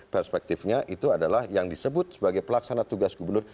perspektifnya itu adalah yang disebut sebagai pelaksana tugas gubernur